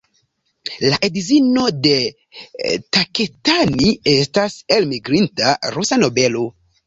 La edzino de Taketani estas elmigrinta rusa nobelo.